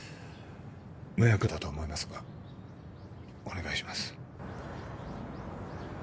迷惑だとは思いますがお願いします